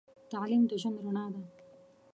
تعليم د ژوند رڼا ده.